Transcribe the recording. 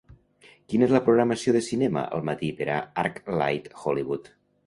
Quina és la programació de cinema al matí per a ArcLight Hollywood